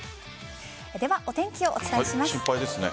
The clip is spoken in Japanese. では、お天気をお伝えします。